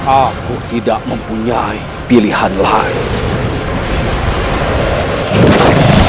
aku tidak mempunyai pilihan lain